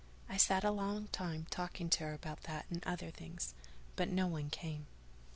I sat a long time talking to her about that and other things—but no one came.